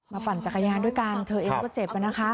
ปั่นจักรยานด้วยกันเธอเองก็เจ็บนะคะ